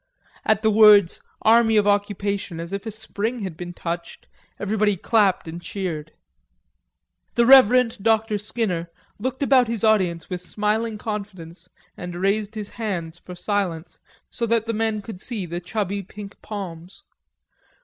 At the words "Army of Occupation," as if a spring had been touched, everybody clapped and cheered. The Reverend Dr. Skinner looked about his audience with smiling confidence and raised his hands for silence, so that the men could see the chubby pink palms.